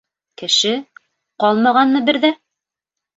Кеше... ҡалмағанмы бер ҙә?!